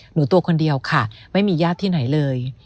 ตัวคนเดียวค่ะไม่มีญาติที่ไหนเลย